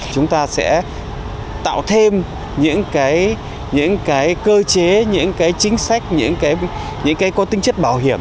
chúng ta sẽ tạo thêm những cái cơ chế những cái chính sách những cái có tính chất bảo hiểm